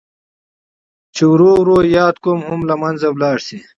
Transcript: چې ورو ورو ياد قوم هم لمنځه ولاړ شي.